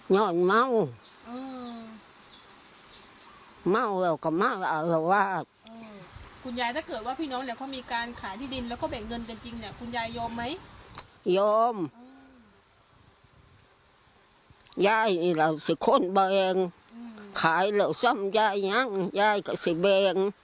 ย่ายเหล่าสิคนแบ่งขายเหล่าซ้ำย่ายยังย่ายก็สิแบ่ง